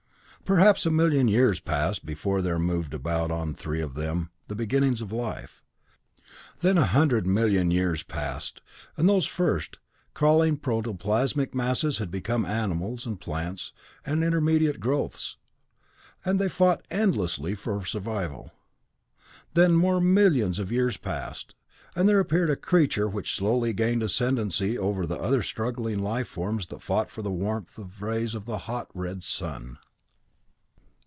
Perhaps a million years passed before there moved about on three of them the beginnings of life. Then a hundred million years passed, and those first, crawling protoplasmic masses had become animals, and plants, and intermediate growths. And they fought endlessly for survival. Then more millions of years passed, and there appeared a creature which slowly gained ascendancy over the other struggling life forms that fought for the warmth of rays of the hot, red sun.